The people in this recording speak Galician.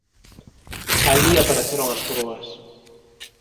Alí apareceron as grúas.